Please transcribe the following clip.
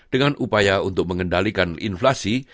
dengan upaya untuk mengendalikan inflasi